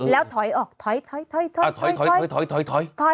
แล้วถอยออกถอย